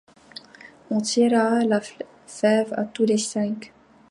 On tira la fève à toutes les cinq.